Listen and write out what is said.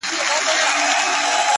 سونډان مي وسوځېدل”